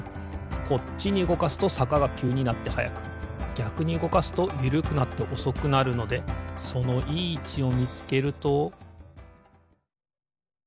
こっちにうごかすとさかがきゅうになってはやくぎゃくにうごかすとゆるくなっておそくなるのでそのいいいちをみつけると。